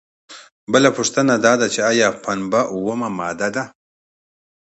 بله پوښتنه دا ده چې ایا پنبه اومه ماده ده؟